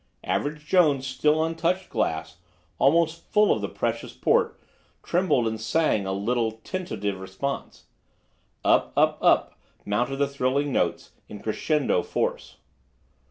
Average Jones' still untouched glass, almost full of the precious port, trembled and sang a little tentative response. Up up up mounted the thrilling notes, in crescendo force.